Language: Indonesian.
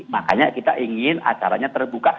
makanya kita ingin acaranya terbuka